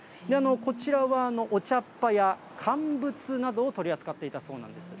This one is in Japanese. こちらはお茶っ葉や乾物などを取り扱っていたそうなんです。